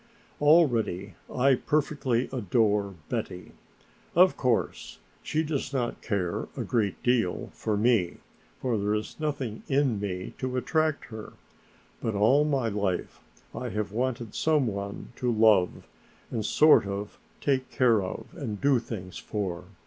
"Already I perfectly adore Betty. Of course she does not care a great deal for me, for there is nothing in me to attract her, but all my life I have wanted some one to love, and sort of take care of and do things for.